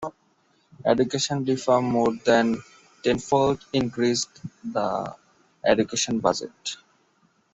Education reform more than tenfold increased the education budget.